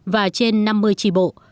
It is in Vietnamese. và trên năm mươi tri bộ